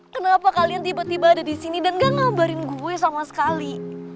kenapa kalian tiba tiba ada di sini dan gak ngabarin gue sama sekali